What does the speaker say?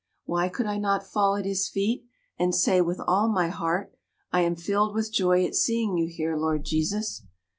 Why could I not fall at his feet and say with all my heart, 'I am filled with joy at seeing you here, Lord Jesus'?